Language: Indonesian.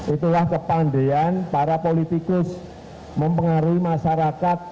itulah kepandian para politikus mempengaruhi masyarakat